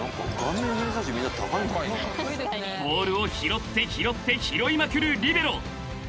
［ボールを拾って拾って拾いまくる］